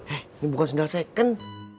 eh ini bukan sendal second